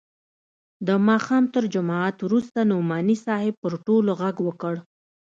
د ماښام تر جماعت وروسته نعماني صاحب پر ټولو ږغ وکړ.